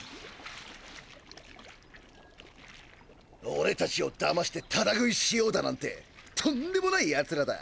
おれたちをだましてタダ食いしようだなんてとんでもないヤツらだ！